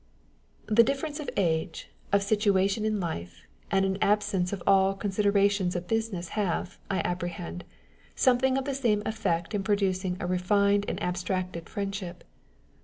The difference of age, of situation in life, and an absence of all considerations of business have, I apprehend, something of the same effect in producing a refined and abstracted friendship.